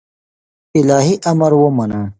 الهي امر ومانه